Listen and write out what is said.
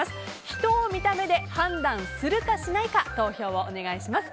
人を見た目で判断するかしないか投票をお願いします。